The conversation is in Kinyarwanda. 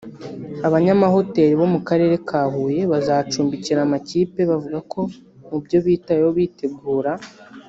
Abanyamahoteli bo mu karere ka Huye bazacumbikira amakipe bavuga ko mu byo bitayeho bitegura